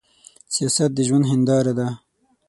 سياست د ژوند هينداره ده.